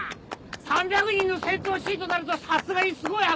３００人の戦闘シーンとなるとさすがにすごい迫力だ。